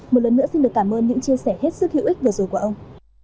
một lần nữa xin được cảm ơn những chia sẻ hết sức hữu ích vừa rồi của ông